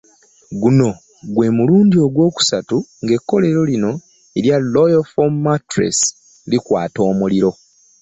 Guno gwe mulundi ogwokusatu ng'ekkolero lino erya Royal Foam mattress likwata omuliro.